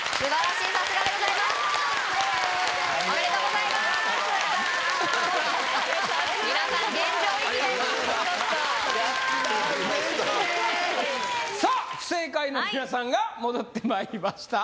うれしいさあ不正解の皆さんが戻ってまいりました